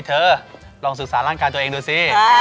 ลองศึกษาร่างกายตัวเองดูสิ